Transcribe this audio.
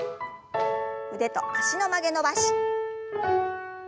腕と脚の曲げ伸ばし。